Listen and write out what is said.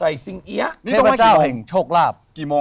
เทพเจ้าเห็นโชคลาบ